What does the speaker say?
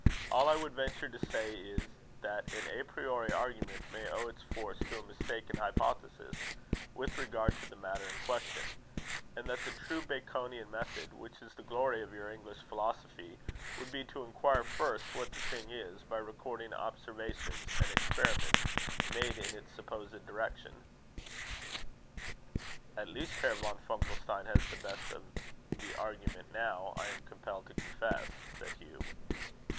All I would venture to say is, that an a priori argument may owe its force to a mistaken hypothesis with regard to the matter in question; and that the true Baconian method, which is the glory of your English philosophy, would be to inquire first what the thing is, by recording observations and experiments made in its supposed direction." "At least Herr von Funkelstein has the best of the argument now, I am compelled to confess," said Hugh.